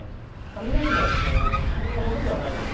雷もきのうほどではないです。